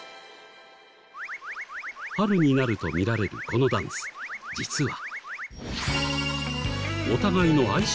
春になると見られるこのダンス実は。